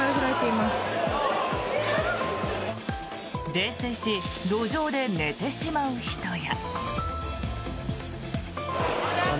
泥酔し路上で寝てしまう人や。